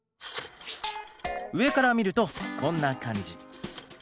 上から見るとこんな感じ。